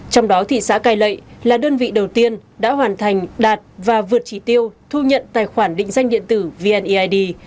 trong đó thị xã cài lệ là đơn vị đầu tiên đã hoàn thành đạt và vượt trí tiêu thu nhận tài khoản định danh điện tử vneid